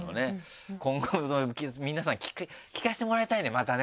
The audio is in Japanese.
今後も皆さん聞かせてもらいたいねまたね。